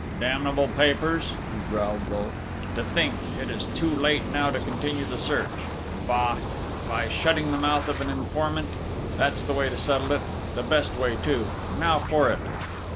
"Damnable papers!" he growled low. "To think!... It is too late now to continue the search.... Bah! By shutting the mouth of an informant ... that's the way to settle it ... the best way too!... Now for it!..."